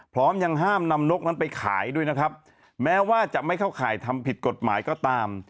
พร้อมยังห้ามนำนกนั้นไปขายด้วยนะครับแม้ว่าจะไม่เข้าข่ายทำผิดกฎหมายก็ตาม